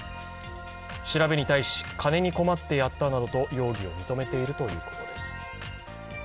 調べに対し、金に困ってやったなどと、容疑を認めているということです。